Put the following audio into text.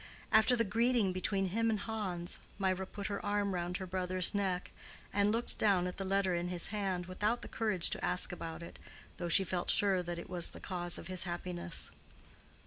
After the greeting between him and Hans, Mirah put her arm round her brother's neck and looked down at the letter in his hand, without the courage to ask about it, though she felt sure that it was the cause of his happiness.